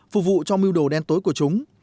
phục vụ cho miêu đồ đen tối của chúng